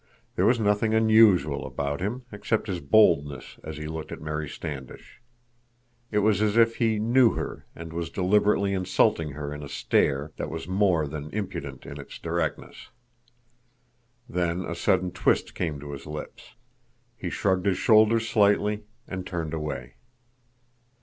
There was nothing unusual about him, except his boldness as he looked at Mary Standish. It was as if he knew her and was deliberately insulting her in a stare that was more than impudent in its directness. Then a sudden twist came to his lips; he shrugged his shoulders slightly and turned away.